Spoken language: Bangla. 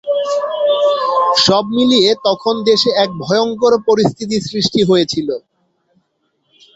সব মিলিয়ে তখন দেশে এক ভয়ংকর পরিস্থিতির সৃষ্টি হয়েছিল।